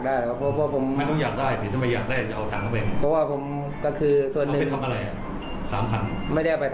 แล้วเราก็ไปบอกกับลุงว่ามีเงินเข้าแค่๒๐๐๐บาท